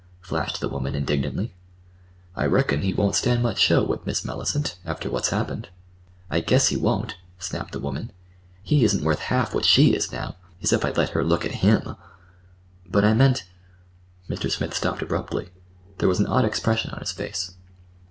flashed the woman indignantly. "I reckon he won't stand much show with Miss Mellicent—after what's happened." "I guess he won't," snapped the woman. "He isn't worth half what she is now. As if I'd let her look at him!" "But I meant—" Mr. Smith stopped abruptly. There was an odd expression on his face.